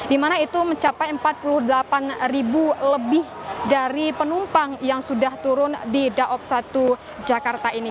di mana itu mencapai empat puluh delapan ribu lebih dari penumpang yang sudah turun di daob satu jakarta ini